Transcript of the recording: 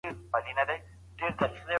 شاید دا موضوع د خلکو پام ځان ته واړوي.